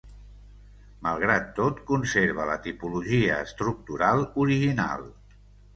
Malgrat tot, conserva la tipologia estructural original.